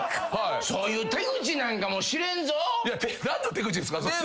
そういう手口なんかもしれんぞ！？何の手口ですか？